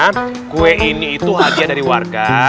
karena kue ini itu hadiah dari warga